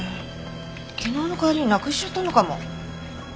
昨日の帰りになくしちゃったのかも。